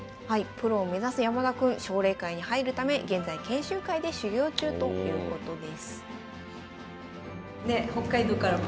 プロを目指す山田君奨励会に入るため現在研修会で修行中ということです。